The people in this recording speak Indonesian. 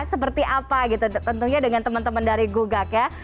seperti apa gitu tentunya dengan teman teman dari gugak ya